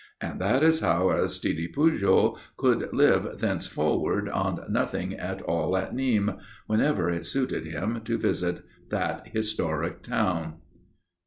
And that is how Aristide Pujol could live thenceforward on nothing at all at Nîmes, whenever it suited him to visit that historic town.